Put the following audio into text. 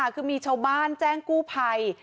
คือมีชาวบ้านแจ้งกู้ภัย